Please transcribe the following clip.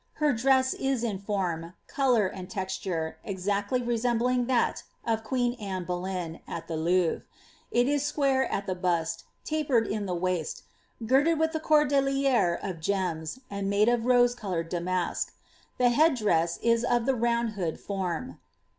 Her dress is in form, colour, and texture, exactly resembliaf that of queen Anne Boleyn, at the Louvre ; it is square at the bust, taper in the waist, girded with tlie cordeliere of gems, and made of rose coloured damask. The head dress is of the round hood form.